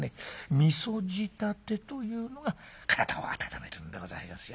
みそ仕立てというのが体を温めるんでございますよ。